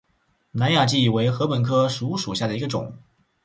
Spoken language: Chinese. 南亚稷为禾本科黍属下的一个种。